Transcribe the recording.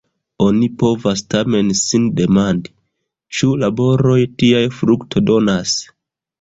Oni povas tamen sin demandi, ĉu laboroj tiaj fruktodonas.